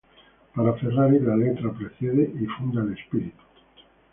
Para Ferraris la letra precede y funda el espíritu.